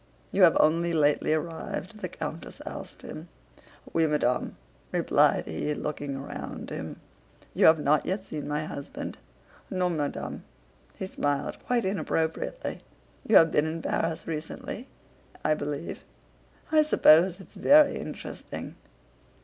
"You have only lately arrived?" the countess asked him. "Oui, madame," replied he, looking around him. "You have not yet seen my husband?" "Non, madame." He smiled quite inappropriately. "You have been in Paris recently, I believe? I suppose it's very interesting."